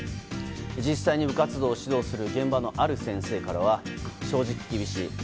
実際に部活動を指導する現場のある先生からは正直厳しい。